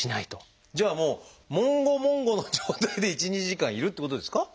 じゃあもんごもんごの状態で１２時間いるってことですか？